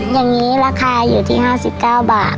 อย่างนี้ราคาอยู่ที่๕๙บาท